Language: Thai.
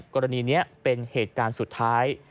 กรณีนี้เป็นเหตุการณ์สุดท้าย